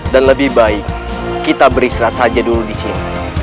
dan lebih baik kita beristirahat saja dulu di sini